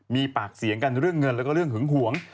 มีปากเสียงกันเรื่องเงินแล้วก็เรื่องหึงหวง